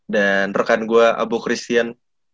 dan rekan gue abu christian